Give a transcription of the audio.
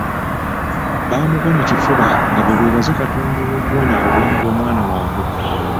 Baamugwa mu kifuba nga bwe beebaza Katonda olw'okuwonya obulamu bw'omwana waabwe.